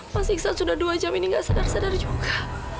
mas iksan sudah dua jam ini gak sadar sadar juga